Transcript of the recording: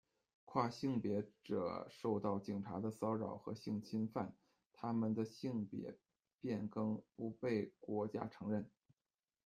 跨性别者受到警察的骚扰和性侵犯，他们的性别变更不被国家承认。